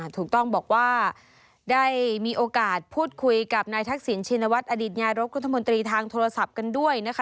ถูกต้องบอกว่าได้มีโอกาสพูดคุยกับนายทักษิณชินวัฒนอดีตนายกรัฐมนตรีทางโทรศัพท์กันด้วยนะคะ